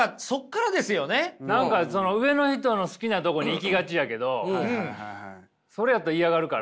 何かその上の人の好きなとこに行きがちやけどそれやと嫌がるから。